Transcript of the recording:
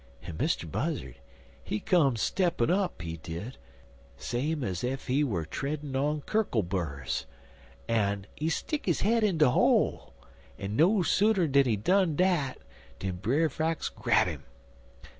"En Mr. Buzzard, he come steppin' up, he did, same ez ef he wer treddin' on kurkle burs, en he stick his head in de hole; en no sooner did he done dat dan Brer Fox grab 'im.